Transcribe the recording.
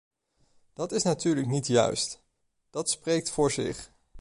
Dat is natuurlijk niet juist, dat spreekt voor zich.